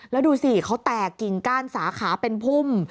แล้วดูสิเขาแตกกิ่งก้านสาขาเป็นพุ่ม